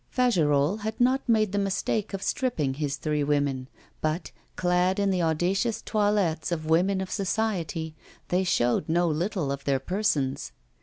Fagerolles had not made the mistake of stripping his three women; but, clad in the audacious toilets of women of society, they showed no little of their persons.